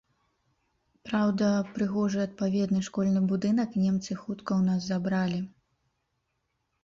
Праўда, прыгожы адпаведны школьны будынак немцы хутка ў нас забралі.